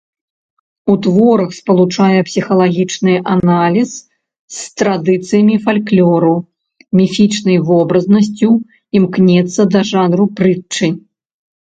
У творах спалучае псіхалагічны аналіз з традыцыямі фальклору, міфічнай вобразнасцю, імкнецца да жанру прытчы.